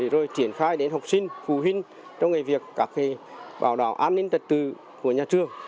rồi triển khai đến học sinh phụ huynh trong ngày việc các cái bảo đảo an ninh tật tự của nhà trường